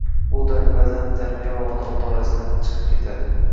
Bu dard ba'zan tarbiya va odob doirasidan chiqib ketadi.